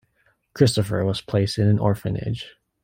Christopher was placed in an orphanage.